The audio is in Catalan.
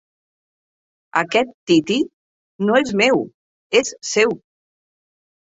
Aquest tití no és meu, és seu!